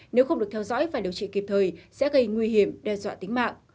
nếu không được theo dõi và điều trị kịp thời sẽ gây nguy hiểm đe dọa tính mạng